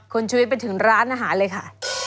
คุณชุวิตไปถึงร้านอาหารเลยค่ะ